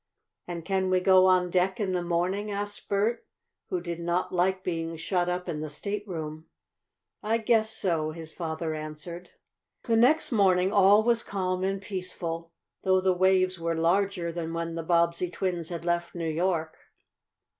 "And can we go on deck in the morning?" asked Bert, who did not like being shut up in the stateroom. "I guess so," his father answered. The next morning all was calm and peaceful, though the waves were larger than when the Bobbsey twins had left New York.